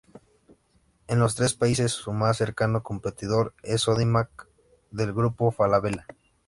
En los tres países su más cercano competidor es Sodimac, del grupo Falabella.